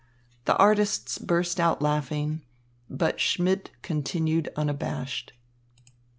The artists burst out laughing, but Schmidt continued unabashed.